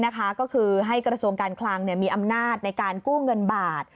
ก็คือให้กระทรวงการคลังมีอำนาจในการกู้เงินบาท